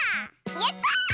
やった！